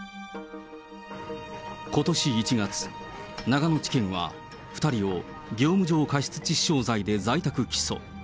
ことし１月、長野地検は、２人を業務上過失致死傷罪で在宅起訴。